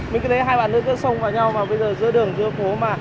mình cứ thấy hai bạn nữ cứ xông vào nhau mà bây giờ giữa đường giữa phố mà